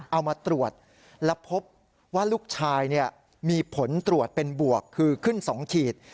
เอามาตรวจแล้วพบว่าลูกชายมีผลตรวจเป็นบวกคือขึ้น๒ขีด